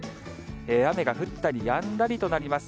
雨が降ったりやんだりとなります。